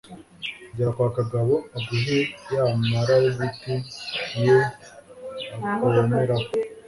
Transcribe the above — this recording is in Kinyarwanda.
gera kwa kagabo aguhe ya marabiti ye akomeraho